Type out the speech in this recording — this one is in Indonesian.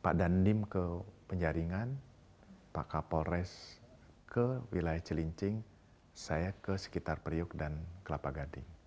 pak dandim ke penjaringan pak kapolres ke wilayah cilincing saya ke sekitar periuk dan kelapa gading